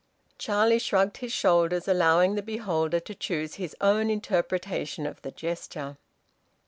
Charlie shrugged his shoulders, allowing the beholder to choose his own interpretation of the gesture.